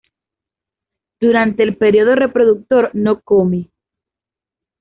Durante el periodo reproductor no come.